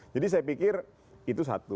jadi saya pikir itu satu